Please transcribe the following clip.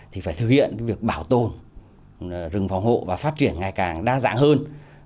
thì phải thực hiện việc bảo tồn rừng phòng hộ và phát triển ngày càng đa dạng hơn